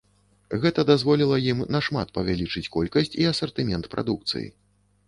Гэта дазволіла ім нашмат павялічыць колькасць і асартымент прадукцыі.